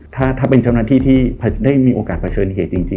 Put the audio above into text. ถ้าเป็นเจ้าหน้าที่ที่ได้มีโอกาสเผชิญเหตุจริง